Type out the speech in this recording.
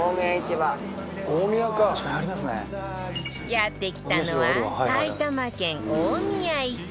やって来たのは埼玉県、大宮市場